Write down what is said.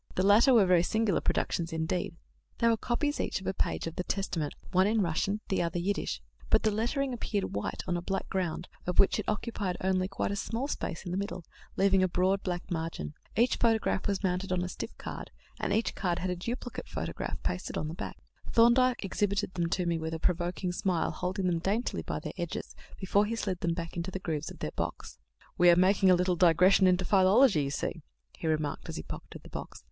The latter were very singular productions indeed; they were copies each of a page of the Testament, one Russian and the other Yiddish; but the lettering appeared white on a black ground, of which it occupied only quite a small space in the middle, leaving a broad black margin. Each photograph was mounted on a stiff card, and each card had a duplicate photograph pasted on the back. Thorndyke exhibited them to me with a provoking smile, holding them daintily by their edges, before he slid them back into the grooves of their box. "We are making a little digression into philology, you see," he remarked, as he pocketed the box.